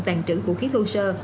tàn trữ vũ khí thu sơ